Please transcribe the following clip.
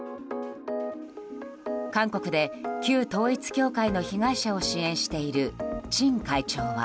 韓国で旧統一教会の被害者を支援している、チン会長は。